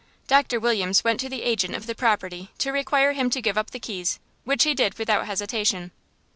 Doctor Williams went to the agent of the property to require him to give up the keys, which he did without hesitation.